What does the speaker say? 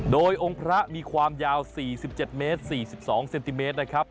โดยองค์พระมีความยาว๔๗เมตร๔๒เซนติเมตรนะครับ